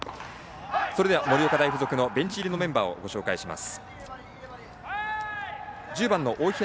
それでは盛岡大付属のベンチ入りのメンバーを紹介します。